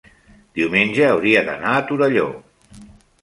diumenge hauria d'anar a Torelló.